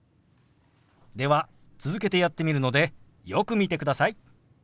では続けてやってみるのでよく見てください。